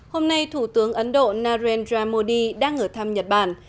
hôm nay thủ tướng ấn độ narendra modi đang ở thăm nhật bản